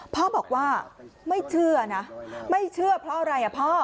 พ่อบอกว่าไม่เชื่อนะไม่เชื่อเพราะอะไรอ่ะพ่อ